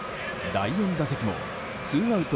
第４打席もツーアウト